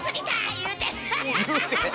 言うて？